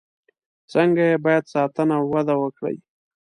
څنګه یې باید ساتنه او وده وکړي.